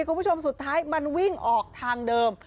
คุณผู้ชมสุดท้ายมันวิ่งออกทางเดิม